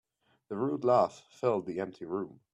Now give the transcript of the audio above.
The rude laugh filled the empty room.